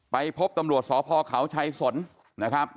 ไปพบตำรวจสพเขาชัยสนนะครับ